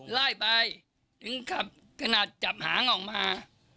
ไล่ไปถึงขับขนาดจับหางออกมา